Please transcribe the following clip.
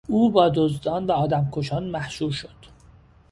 او با دزدان و آدمکشان محشور شد.